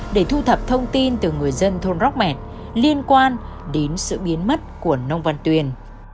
để thu thập thông tin từ người dân thôn róc mẹt liên quan đến sự biến mất của nông văn tuyên